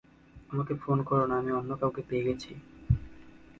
আমাকে ফোন করো না আমি অন্য কাউকে পেয়ে গেছি।